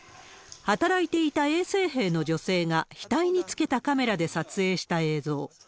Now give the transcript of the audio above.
働いていた衛生兵の女性が額につけたカメラで撮影した映像。